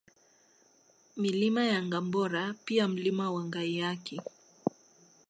Milima ya Ngabora pia Mlima wa Ngaiyaki